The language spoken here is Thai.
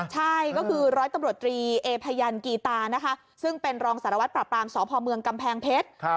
ใช่ก็คือร้อยตำรวจตรีเอพยันกีตานะคะซึ่งเป็นรองสารวัตรปราบปรามสพเมืองกำแพงเพชร